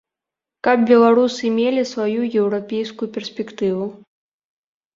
Каб беларусы мелі сваю еўрапейскую перспектыву.